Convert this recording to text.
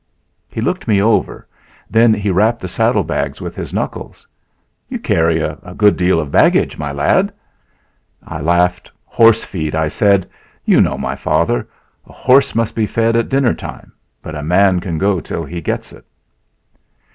He looked me over, then he rapped the saddlebags with his knuckles. "You carry a good deal of baggage, my lad." I laughed. "Horse feed," I said. "You know my father! A horse must be fed at dinner time, but a man can go till he gets it."